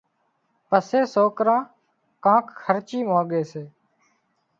پسي سوڪران ڪانڪ خرچي مانڳي سي